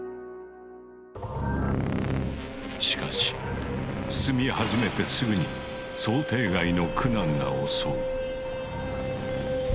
しかし進み始めてすぐに想定外の苦難が襲う。